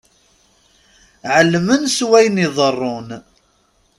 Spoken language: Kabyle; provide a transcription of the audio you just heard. Ɛelmen s wayen iḍerrun.